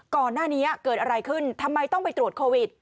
ก่อนหน้านี้เกิดอะไรขึ้นทำไมต้องไปตรวจโควิด